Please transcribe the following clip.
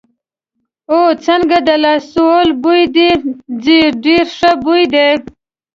او، څنګه د لایسول بوی دې ځي، ډېر ښه بوی دی.